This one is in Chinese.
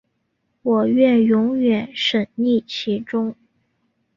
我愿永远沈溺其中